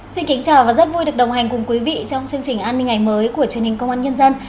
xin kính chào và rất vui được đồng hành cùng quý vị trong chương trình an ninh ngày mới của truyền hình công an nhân dân